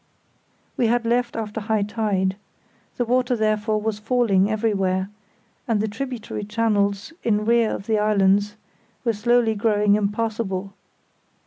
We had left after high tide. The water therefore was falling everywhere; and the tributary channels in rear of the islands were slowly growing impassable.